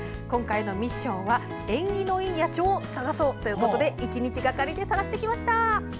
今回のミッションは縁起のいい野鳥を探そうということで１日がかりで探してきました！